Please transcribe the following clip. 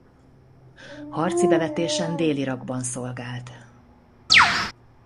Harci bevetésen Dél-Irakban szolgált.